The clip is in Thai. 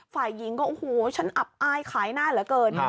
ฝ่ายหญิงก็โอ้โหฉันอับอายขายหน้าเหลือเกิน